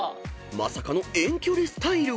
［まさかの遠距離スタイル］